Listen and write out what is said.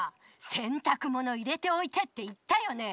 洗濯物入れておいてって言ったよね！？